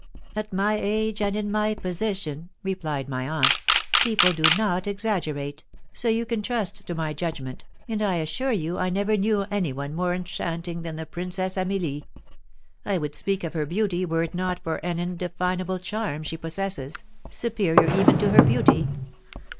"At my age and in my position," replied my aunt, "people do not exaggerate, so you can trust to my judgment, and I assure you I never knew any one more enchanting than the Princess Amelie. I would speak of her beauty were it not for an indefinable charm she possesses, superior even to her beauty.